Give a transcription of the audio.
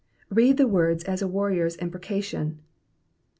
Read the words as a warrior^s imprecation.